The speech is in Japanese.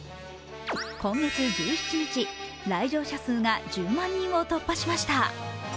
今月１７日、来場者数が１０万人を突破しました。